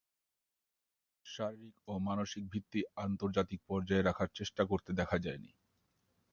শারীরিক ও মানসিক ভিত্তি আন্তর্জাতিক পর্যায়ে রাখার চেষ্টা করতে দেখা যায়নি।